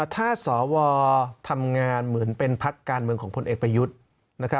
ถ้าสวทำงานเหมือนเป็นพักการเมืองของพลเอกประยุทธ์